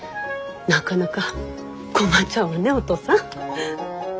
なかなか困っちゃうわねおとうさん。